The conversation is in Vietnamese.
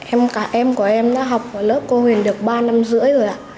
em cả em của em đã học ở lớp cô huyền được ba năm rưỡi rồi ạ